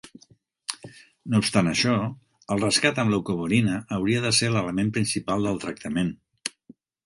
No obstant això, el rescat amb leucovorina hauria de ser l'element principal del tractament.